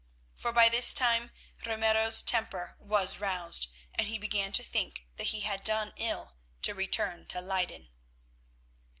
For by this time Ramiro's temper was roused, and he began to think that he had done ill to return to Leyden.